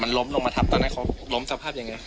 ล้มลงมาทับตอนนั้นเขาล้มสภาพยังไง